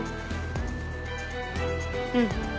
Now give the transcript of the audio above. うん。